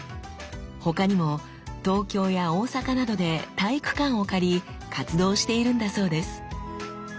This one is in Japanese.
他にも東京や大阪などで体育館を借り活動しているんだそうです。